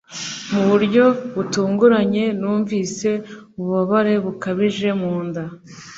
Mu buryo butunguranye, numvise ububabare bukabije mu nda.